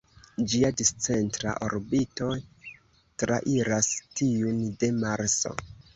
Ĝia discentra orbito trairas tiun de Marso.